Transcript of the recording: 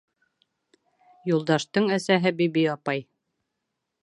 Юлдаштың әсәһе Биби апай: